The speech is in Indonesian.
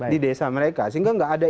di desa mereka sehingga nggak ada